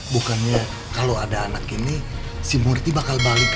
bukannya kalau ada anak ini si murti bakal balik